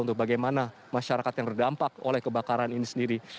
untuk bagaimana masyarakat yang terdampak oleh kebakaran ini sendiri